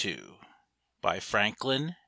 Y. TO MRS. FRANKLIN P.